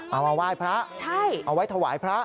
เอามาไหว้พระเอาไว้ถวายพระ